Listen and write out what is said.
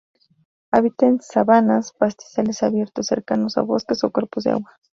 Habita en sabanas, pastizales abiertos cercanos a bosque o cuerpos de agua.